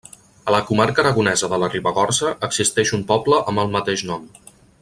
A la comarca aragonesa de la Ribagorça existeix un poble amb el mateix nom.